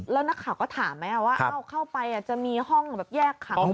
แล้วนักข่าวก็ถามไหมว่าเข้าไปจะมีห้องแบบแยกขัง